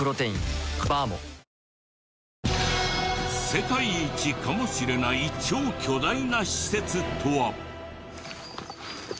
世界一かもしれない超巨大な施設とは？